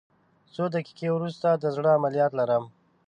څو دقیقې وروسته د زړه عملیات لرم